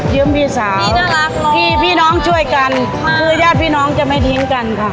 พี่สาวพี่น่ารักเลยพี่พี่น้องช่วยกันค่ะคือญาติพี่น้องจะไม่ทิ้งกันค่ะ